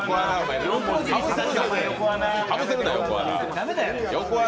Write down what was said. かぶせるな、横穴。